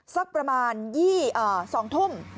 สักประมาณ๒ทุ่ม